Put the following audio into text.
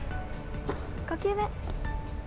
５球目。